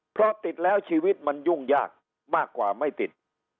เพราะติดแล้วชีวิตมันยุ่งยากมากกว่าไม่ติด